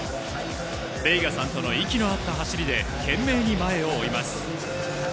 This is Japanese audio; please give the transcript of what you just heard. ベイガさんとの息の合った走りで、懸命に前を追います。